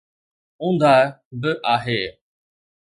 اوندهه به آهي.